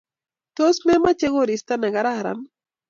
Tos, memache koristo negararan?